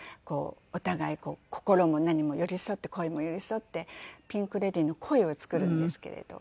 お互い心も何も寄り添って声も寄り添ってピンク・レディーの声を作るんですけれど。